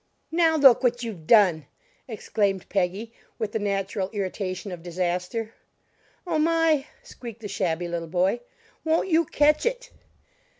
"Now look what you've done!" exclaimed Peggy, with the natural irritation of disaster. "Oh, my!" squeaked the shabby little boy, "won't you catch it!"